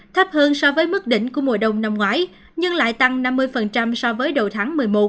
thấp hơn so với mức đỉnh của mùa đông năm ngoái nhưng lại tăng năm mươi so với đầu tháng một mươi một